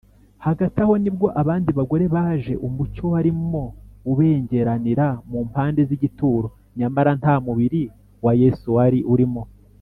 hagati aho nibwo abandi bagore baje umucyo warimo ubengeranira mu mpande z’igituro, nyamara nta mubiri wa yesu wari urimo